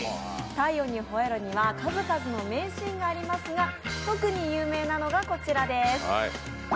「太陽にほえろ！」には数々の名シーンがありますが特に有名なのがこちらです。